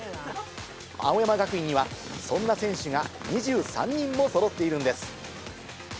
青山学院には、そんな選手が２３人もそろっているんです。